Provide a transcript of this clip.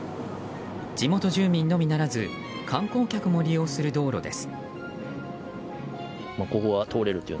地元住民のみならず観光客も利用する道路です。